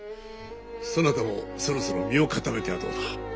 そなたもそろそろ身を固めてはどうだ？